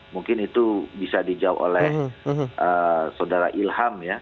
mungkin itu bisa dijawab oleh saudara ilham ya